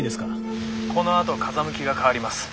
このあと風向きが変わります。